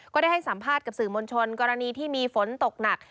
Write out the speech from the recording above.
ได้ให้สัมภาษณ์กับสื่อมวลชนกรณีที่มีฝนตกหนัก